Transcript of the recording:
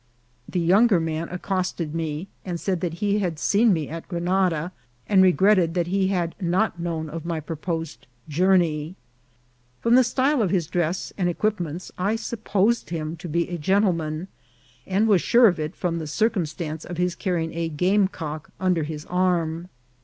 The younger man accosted me, and said that he had seen me at Grenada, and regretted that he had not known of my proposed journey. From the style of his dress and equipments I supposed him to be a gentleman, and was sure of it from the circum stance of his carrying a gamecock under his arm.